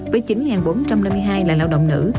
với chín bốn trăm năm mươi hai là lao động nữ